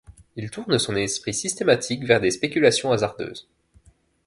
Il tourne son esprit systématique vers des spéculations hasardeuses.